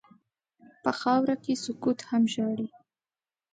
په خاوره کې سکوت هم ژاړي.